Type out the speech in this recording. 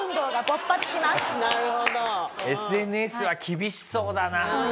ＳＮＳは厳しそうだなあ。